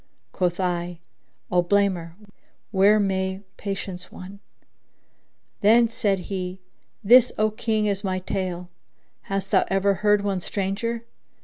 * Quoth I, 'O blamer where may patience wone?'" Then said he, "This, O King! is my tale: hast thou ever heard one stranger?"